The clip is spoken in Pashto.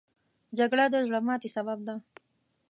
جګړه د زړه ماتې سبب ده